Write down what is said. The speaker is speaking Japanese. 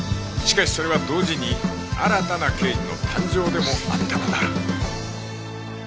しかしそれは同時に新たな刑事の誕生でもあったのだ